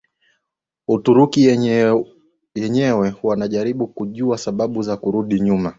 Uturuki yenyewe wanajaribu kujua sababu za kurudi nyuma